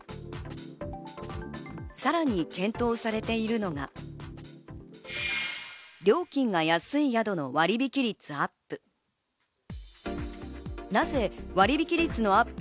さらに検討されているのが料金が安い宿の割引率アップ。